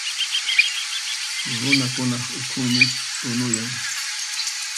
Runakunaq ukhunmi tunuyan.